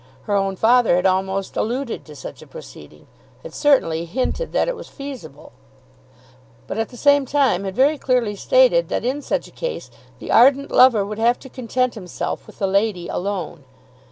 Her own father had almost alluded to such a proceeding, had certainly hinted that it was feasible, but at the same time had very clearly stated that in such case the ardent lover would have to content himself with the lady alone.